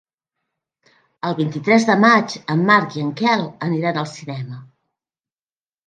El vint-i-tres de maig en Marc i en Quel aniran al cinema.